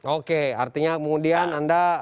oke artinya kemudian anda